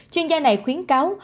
chuyên gia này khuyến cáo